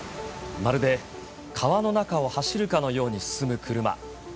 まるで川の中を走るかのように進む車。